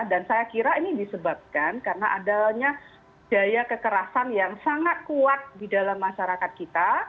dan saya kira ini disebabkan karena adanya daya kekerasan yang sangat kuat di dalam masyarakat kita